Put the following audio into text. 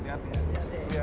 terima kasih mbak